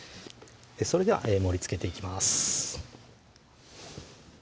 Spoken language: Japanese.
それでは盛りつけていきます